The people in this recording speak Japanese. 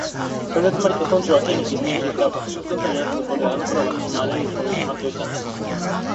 「それがつまり」と、村長は Ｋ に説明していった「私が村長になったころのもので、あのころは私もまだあらゆる書類をしまっておいたんです」